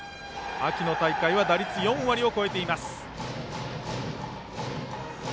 秋の大会は打率４割を超えています。